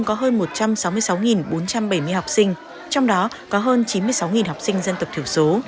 có hơn một trăm sáu mươi sáu bốn trăm bảy mươi học sinh trong đó có hơn chín mươi sáu học sinh dân tộc thiểu số